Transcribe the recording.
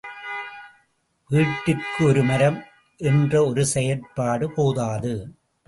வீட்டிற்கு ஒருமரம் என்ற செயற்பாடு போதாது.